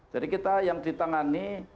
jadi kita yang ditangani